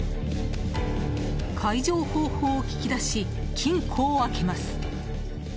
開錠方法を聞き出し金庫を開けます。